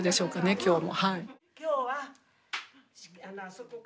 今日も。